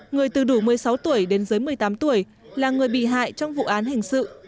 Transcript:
người từ đủ một mươi sáu tuổi đến dưới một mươi tám tuổi là người bị hại trong vụ án hình sự